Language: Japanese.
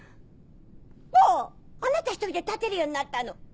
坊あなた１人で立てるようになったの？